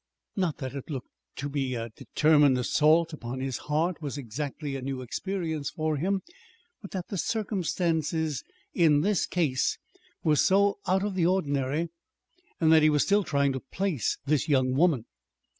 Not that what looked to be a determined assault upon his heart was exactly a new experience for him; but that the circumstances in this case were so out of the ordinary, and that he was still trying to "place" this young woman.